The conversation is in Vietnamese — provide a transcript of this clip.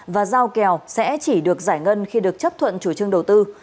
và giao kèo sẽ chỉ được giải ngân khi được chấp thuận chủ trương đầu tư